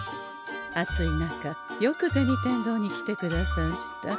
暑い中よく銭天堂に来てくださんした。